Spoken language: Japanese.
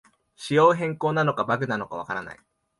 仕様変更なのかバグなのかわからない